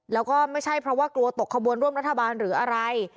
แล้วก็ไม่ใช่เพราะว่ากลัวตกขบวนร่วมรัฐบาลหรืออะไร